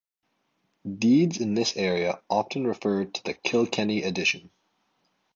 Deeds in this area often refer to the "Kilkenny Addition".